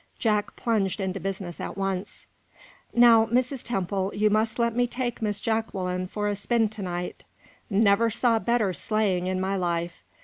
Jack plunged into business at once. "Now, Mrs. Temple, you must let me take Miss Jacqueline for a spin to night; never saw better sleighing in my life.